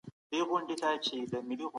که مسلمان ذمي ووژني نو هغه به قصاص سي.